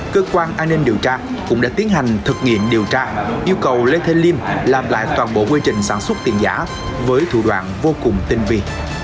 cơ quan an ninh điều tra cũng đã tiến hành thực nghiệm điều tra yêu cầu lê thế liêm làm lại toàn bộ quy trình sản xuất tiền giả với thủ đoạn vô cùng tinh vi